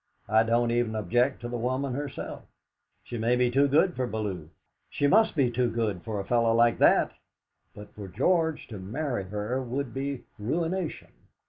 I don't even object to the woman herself; she may be too good for Bellew; she must be too good for a fellow like that! But for George to marry her would be ruination.